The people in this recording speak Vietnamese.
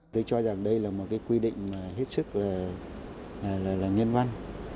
tôi cho rằng đây là một cái quy định hết sức là nhân văn